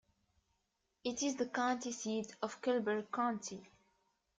It is the county seat of Kleberg County.